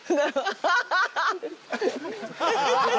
「ハハハハ！」